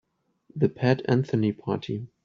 The Pat Anthony Party.